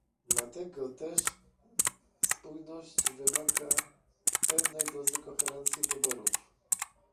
Dlatego też spójność wymaga pewnej dozy koherencji wyborów